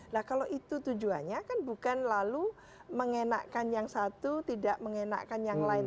nah kalau itu tujuannya kan bukan lalu mengenakan yang satu tidak mengenakan yang lain